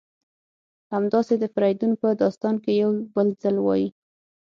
همداسې د فریدون په داستان کې یو بل ځل وایي: